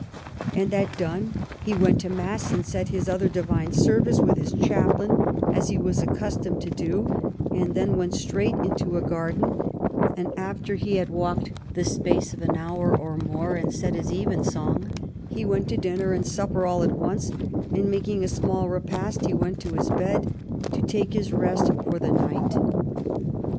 And that done he went to mass, and said his other divine service with his chaplain, as he was accustomed to do ; and then went straight into a garden ; and after he had walked IX THE KING'S DIVORCE 159 the space of an hour or more, and said his evensong, he went to dinner and supper all at once ; and making a small repast, he went to his bed, to take his rest for the night."